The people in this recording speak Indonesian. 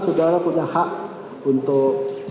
saudara punya hak untuk